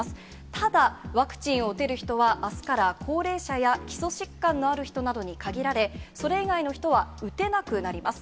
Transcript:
ただ、ワクチンを打てる人は、あすから、高齢者や基礎疾患のある人などに限られ、それ以外の人は打てなくなります。